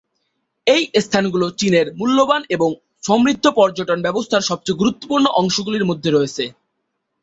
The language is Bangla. এই স্থানগুলি চীনের মূল্যবান এবং সমৃদ্ধ পর্যটন ব্যবস্থার সবচেয়ে গুরুত্বপূর্ণ অংশগুলির মধ্যে রয়েছে।